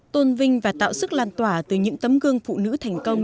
tôn vinh và tạo sức lan tỏa từ những tấm gương phụ nữ thành công